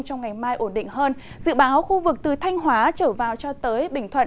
trong ngày mai ổn định hơn dự báo khu vực từ thanh hóa trở vào cho tới bình thuận